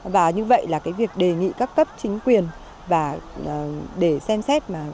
và như vậy là việc đề nghị các cấp chính quyền để xem xét